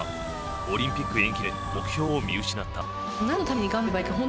オリンピック延期で目標を失った。